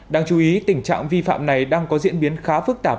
đáng chú ý tình trạng vi phạm này đang có diễn biến khá phức tạp